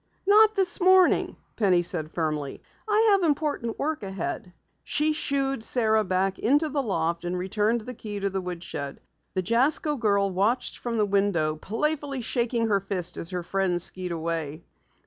"Not this morning," Penny said firmly. "I have important work ahead." She shooed Sara back into the loft and returned the key to the woodshed. The Jasko girl watched from the window, playfully shaking her fist as her friend skied away.